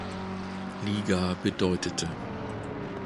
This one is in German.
Liga bedeutete.